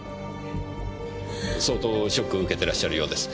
相当ショックを受けてらっしゃるようです。